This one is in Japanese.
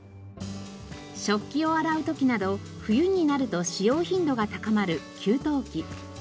食器を洗う時など冬になると使用頻度が高まる給湯器。